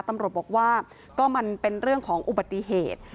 ตำรวจบอกว่าก็มันเป็นเรื่องของอุบัติเหตุ